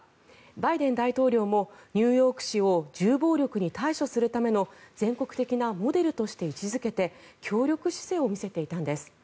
バイデン大統領もニューヨーク市を銃暴力に対処するための全国的なモデルとして位置付けて協力姿勢を見せていたんです。